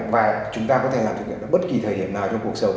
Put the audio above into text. và chúng ta có thể làm được bất kỳ thời điểm nào trong cuộc sống